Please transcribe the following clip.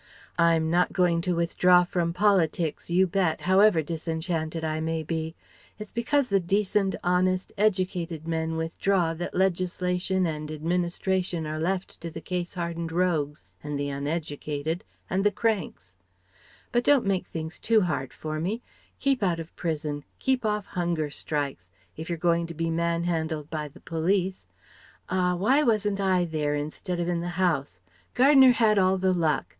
I'm not going to withdraw from politics, you bet, however disenchanted I may be. It's because the decent, honest, educated men withdraw that legislation and administration are left to the case hardened rogues ... and the uneducated ... and the cranks. But don't make things too hard for me. Keep out of prison ... keep off hunger strikes If you're going to be man handled by the police Ah! why wasn't I there, instead of in the House? Gardner had all the luck....